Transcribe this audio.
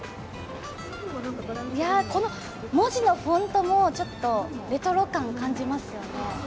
文字のフォントもちょっとレトロ感を感じますね。